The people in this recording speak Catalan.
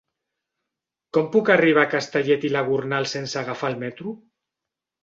Com puc arribar a Castellet i la Gornal sense agafar el metro?